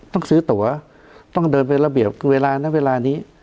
ต้องเสื้อตัวต้องโดยไประเบียบเวลานั้นเวลานี้